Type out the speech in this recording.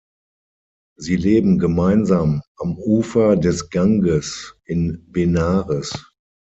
Sie leben gemeinsam am Ufer des Ganges in Benares.